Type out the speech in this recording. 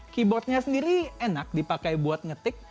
keyboardnya sendiri enak dipakai buat ngetik